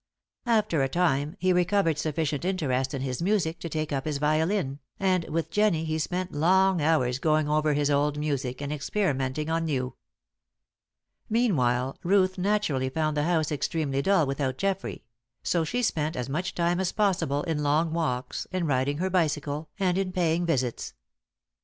After a time he recovered sufficient interest in his music to take up his violin, and with Jennie he spent long hours going over his old music and experimenting on new. Meanwhile, Ruth naturally found the house extremely dull without Geoffrey; so she spent as much time as possible in long walks, in riding her bicycle, and in paying visits.